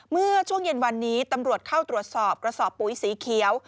เมื่อช่วงเย็นวันนี้ตำรวจเข้าตรวจสอบกระสอบปุ๋ยสีเขียว